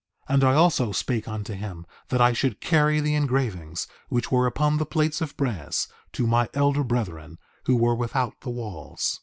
4:24 And I also spake unto him that I should carry the engravings, which were upon the plates of brass, to my elder brethren, who were without the walls.